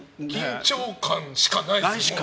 緊張感しかないです。